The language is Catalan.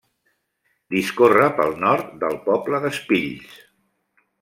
Discorre pel nord del poble d'Espills.